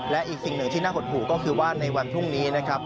และอีกสิ่งหนึ่งที่น่าหดหูก็คือว่าในวันพรุ่งนี้นะครับ